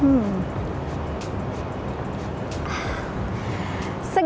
hmmmm segelas teh hangat segera sembuh